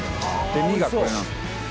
２がこれなんです。